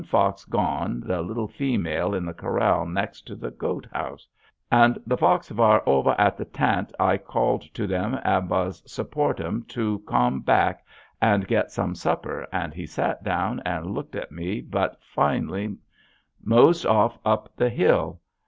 fox goan the litle femall in the Corall naxst to the goat Hous. And the fox var over at the tant i cald to em et vas suppertam to Com bake and get som sepper and He sat down and luckt at me bot finly mosed of op in the Hill.